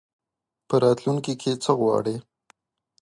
په راتلونکي کي څه غواړې ؟